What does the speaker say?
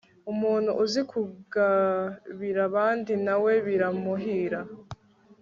umuntu uzi kugabira abandi, na we biramuhira